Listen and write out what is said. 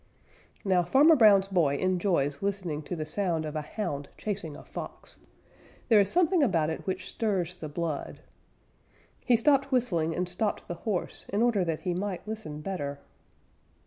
Now Farmer Brown's boy enjoys listening to the sound of a Hound chasing a Fox. There is something about it which stirs the blood. He stopped whistling and stopped the horse in order that he might listen better.